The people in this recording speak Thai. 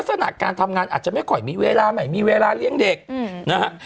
ลักษณะการทำงานอาจจะไม่ค่อยมีเวลาไม่มีเวลาเลี้ยงเด็กนะฮะ